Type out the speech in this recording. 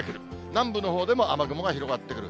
南部のほうでも雨雲が広がってくる。